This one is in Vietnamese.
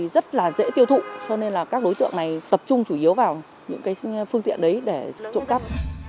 rất là dễ tiêu thụ cho nên là các đối tượng này tập trung chủ yếu vào những phương tiện đấy để trộm cắp